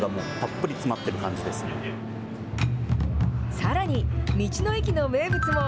さらに、道の駅の名物も。